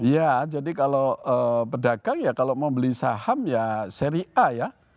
ya jadi kalau pedagang ya kalau mau beli saham ya seri a ya